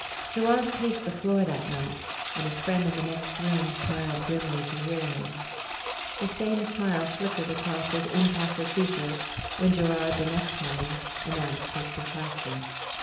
Gerard paced the floor that night, and his friend in the next room smiled grimly to hear him. The same smile flickered across his impassive features when Gerard, the next morning, announced his departure.